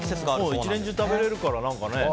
１年中食べられるから。